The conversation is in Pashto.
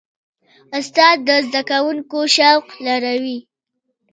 استاد د زده کوونکي شوق لوړوي.